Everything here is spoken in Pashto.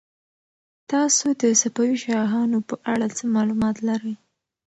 تاسو د صفوي شاهانو په اړه څه معلومات لرئ؟